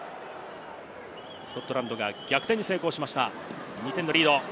スコットランドが逆転に成功しました、２点のリード。